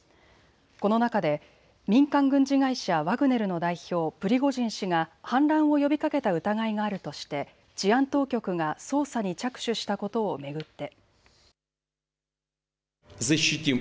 この中で民間軍事会社、ワグネルの代表、プリゴジン氏が反乱を呼びかけた疑いがあるとして治安当局が捜査に着手したことを巡って。